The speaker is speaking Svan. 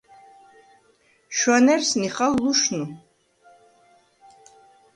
შვანა̈რს ნიხალ ლუშნუ.